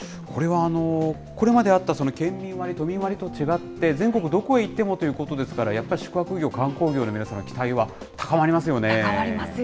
これは、これまであった県民割、都民割と違って、全国どこへ行ってもということですから、やっぱり宿泊業、観光業の皆さんの高まりますよね。